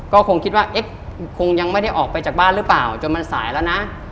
ก็คงคิดว่าเอ๊ะคงยังไม่ได้ออกไปจากบ้านหรือเปล่าจนมันสายแล้วนะ